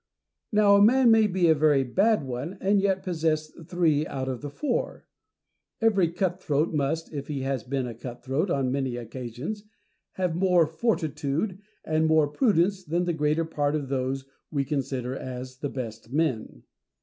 Now a man may be a very bad one, and yet possess three out of the four. Every cut throat must, if he has been a cut throat on many occasions, have more fortitude and more prudence than the greater part of those whom we consider as the best men.